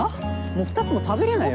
２つも食べれねえよ